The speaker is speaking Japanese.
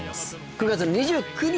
９月の２９日